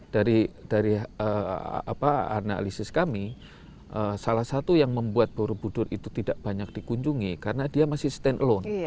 dari analisis kami salah satu yang membuat borobudur itu tidak banyak dikunjungi karena dia masih stand alone